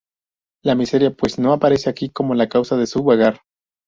La miseria, pues, no aparece aquí como la causa de su vagar.